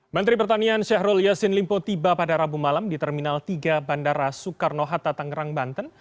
menteri pertanian syahrul yassin limpo tiba pada rabu malam di terminal tiga bandara soekarno hatta tangerang banten